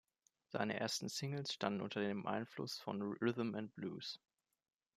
Seine ersten Singles standen unter dem Einfluss von Rhythm and Blues.